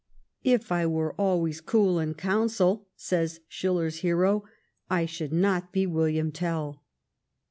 " If I were always cool in council," says Schiller's hero, " I should not be William Tell."